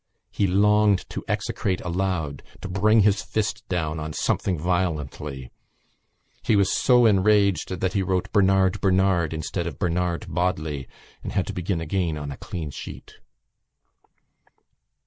He longed to execrate aloud, to bring his fist down on something violently. He was so enraged that he wrote Bernard Bernard instead of Bernard Bodley and had to begin again on a clean sheet.